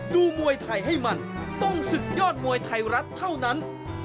ดูมวยไทยให้มันต้องศึกยอดมวยไทยรัฐเท่านั้น